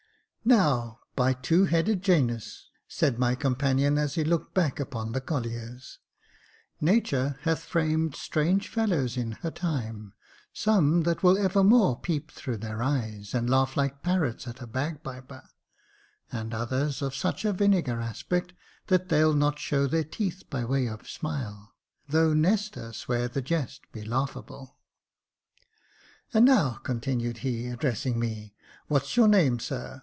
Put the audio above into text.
" Now, by two headed Janus," said my companion, as he looked back upon the colliers —" Nature hath framed strange fellows in her time, Some that will evermore peep through their eyes, And laugh like parrots at a bagpiper, And others of such a vinegar aspect That they'll not show their teeth by way of smile, Though Nestor swear the jest be laughable. *' And now," continued he, addressing me, " what's your name, sir